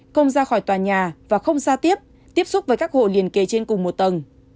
không ra khỏi tòa nhà và không giao tiếp tiếp xúc với các hộ liền kề trên cùng một tầng